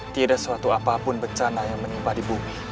tidak ada suatu apapun bencana yang menimpa di bumi